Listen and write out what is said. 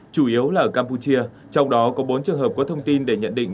chủ yếu là ở campuchia trong đó có bốn trường hợp có thông tin để nhận định